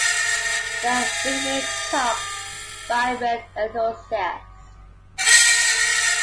They are nicknamed Tugs by rail enthusiasts.